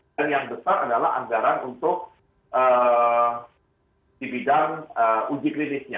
dan yang besar adalah anggaran untuk di bidang uji klinisnya